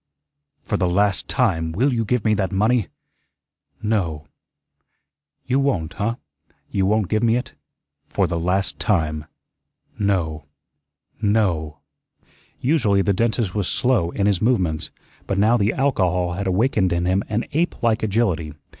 "For the last time, will you give me that money?" "No." "You won't, huh? You won't give me it? For the last time." "No, NO." Usually the dentist was slow in his movements, but now the alcohol had awakened in him an ape like agility.